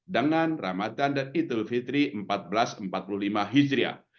dengan ramadan dan idul fitri seribu empat ratus empat puluh lima hijriah